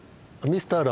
ミスター